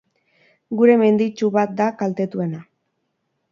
Gune menditsu bat da kaltetuena.